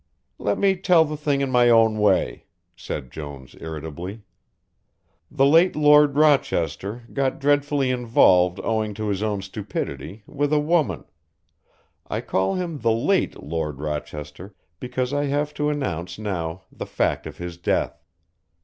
"Let me tell the thing in my own way," said Jones irritably. "The late Lord Rochester got dreadfully involved owing to his own stupidity with a woman I call him the late Lord Rochester because I have to announce now the fact of his death."